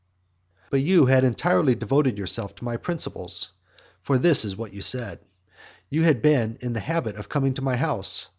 But you had entirely devoted yourself to my principles; (for this is what you said;) you had been in the habit of coming to my house.